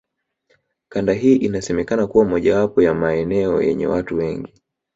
Kanda hii inasemekana kuwa mojawapo ya maeneo yenye watu wengi